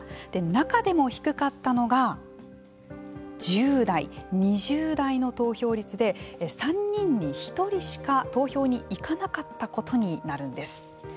中でも低かったのが１０代、２０代の投票率で３人に１人しか投票に行かなかったことになるんです。